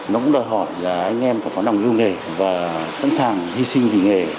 nó cũng đòi hỏi là anh em phải có lòng yêu nghề và sẵn sàng hy sinh vì nghề